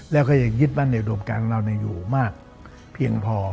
แล้วก็ยังยึดมั่นในอุดมการของเราอยู่มากเพียงพอ